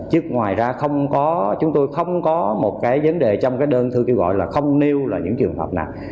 chứ ngoài ra không có chúng tôi không có một cái vấn đề trong cái đơn thư kêu gọi là không nêu là những trường hợp nào